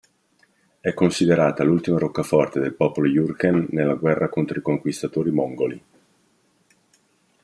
È considerata l'ultima roccaforte del popolo Jurchen nella guerra contro i conquistatori mongoli.